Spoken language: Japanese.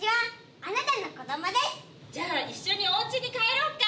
「じゃあ一緒にお家に帰ろうか」